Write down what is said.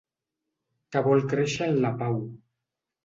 Que vol créixer en la pau.